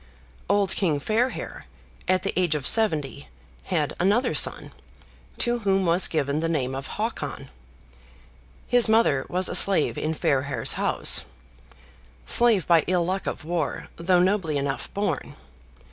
Old King Fairhair, at the age of seventy, had another son, to whom was given the name of Hakon. His mother was a slave in Fairhair's house; slave by ill luck of war, though nobly enough born.